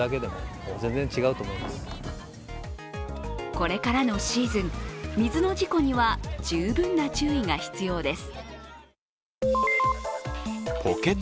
これからのシーズン、水の事故には十分な注意が必要です。